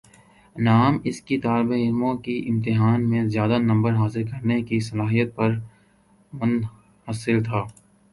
نعام اس کی طالبعلموں کی امتحان میں زیادہ نمبر حاصل کرنے کی صلاحیت پر منحصر تھا